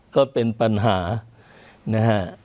ก็เป็นปัญหานะฮะ